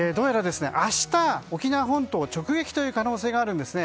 どうやら明日、沖縄本島を直撃という可能性があるんですね。